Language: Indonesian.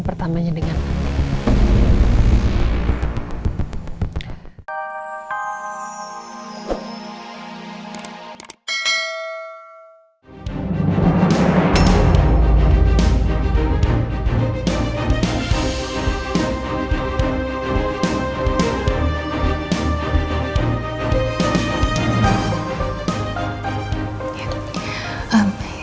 pertamanya dengan andi